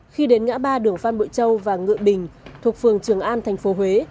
khi đến ngã ba đường phan bội châu và ngựa bình thuộc phường trường an thành phố huế